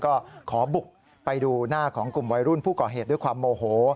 ก็ขอบุกไปดูหน้าของกลุ่มวัยรุ่นผู้ก่อเหตุด้วยความโมโห